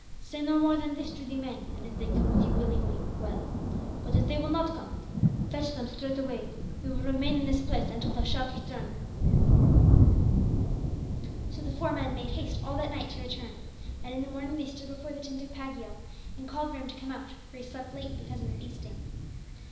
Say no more than this to the men, and if they come with you willingly, well, but if they will not come, then fetch them straightway. We will remain in this place until thou shalt return." So the four men made haste all that night to return, and in the morning they stood before the tent of Pagiel and called for him to come out for he slept late because of the feasting.